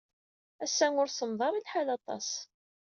Ass-a ur semmeḍ ara lḥal aṭas.